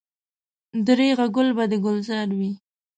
درېغه ګل به د ګلزار وي.